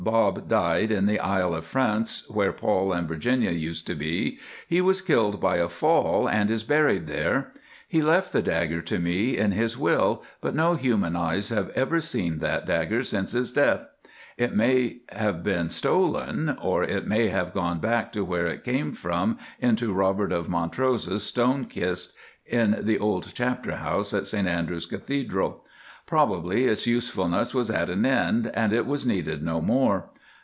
Bob died in the Isle of France, where Paul and Virginia used to be. He was killed by a fall, and is buried there. He left the dagger to me in his will, but no human eyes have ever seen that dagger since his death. It may have been stolen, or it may have gone back to where it came from into Robert of Montrose's stone kist in the old Chapter House at St Andrews Cathedral. Probably its usefulness was at an end, and it was needed no more.